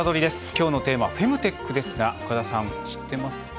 きょうのテーマ「フェムテック」ですが岡田さん知ってますか？